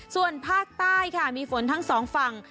ส่วนภาคใต้ค่ะมีฝนทั้งสองฝั่ง